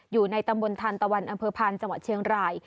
อยู่ในตำบลธานตะวันอพันธ์จังหวัดเชียงราย